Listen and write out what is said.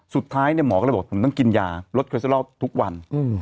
สุดท้ายเนี่ยหมอก็เลยบอกผมต้องกินยาลดเคสรอลทุกวัน